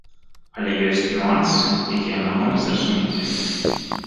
Але ёсць нюансы, якія я магу не зразумець.